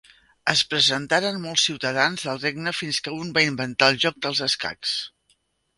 Es presentaren molts ciutadans del regne fins que un va inventar el joc dels escacs.